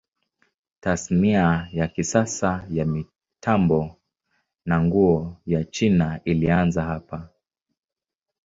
Tasnia ya kisasa ya mitambo na nguo ya China ilianza hapa.